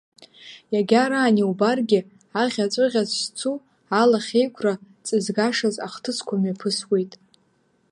Иагьараан иубаргьы, аӷьаҵәыӷьаҵә зцу алахьеиқәра ҵызгашаз ахҭысқәа мҩаԥысуеит.